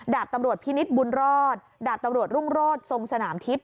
ดาบตำรวจพินิษฐ์บุญรอดดาบตำรวจรุ่งโรศทรงสนามทิพย